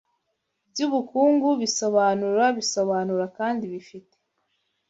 byubukungu bisobanura bisobanura kandi bifite